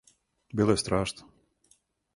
Било је страшно.